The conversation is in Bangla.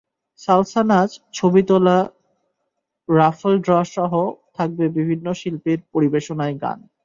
সালসা নাচ, ছবি তোলা, র্যাফল ড্রসহ থাকবে বিভিন্ন শিল্পীর পরিবেশনায় গান।